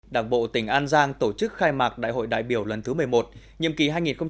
đảng bộ tỉnh an giang tổ chức khai mạc đại hội đại biểu lần thứ một mươi một nhiệm kỳ hai nghìn hai mươi hai nghìn hai mươi năm